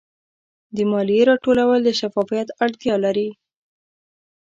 د مالیې راټولول د شفافیت اړتیا لري.